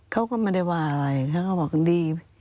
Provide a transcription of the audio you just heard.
เขาก็ไม่ได้ว่าอะไรเขาก็บอกกันดี